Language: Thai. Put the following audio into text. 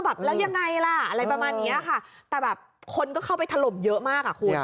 แบบแล้วยังไงล่ะอะไรประมาณเนี้ยค่ะแต่แบบคนก็เข้าไปถล่มเยอะมากอ่ะคุณ